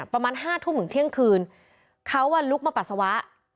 ประมาณห้าทุ่มถึงเที่ยงคืนเขาลุกมาปัสสาวะ